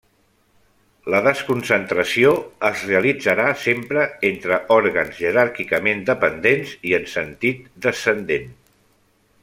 La desconcentració es realitzarà sempre entre òrgans jeràrquicament dependents i en sentit descendent.